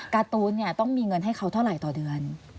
การ์ตูนต้องมีเงินให้เขาเท่าไหร่ต่อเดือน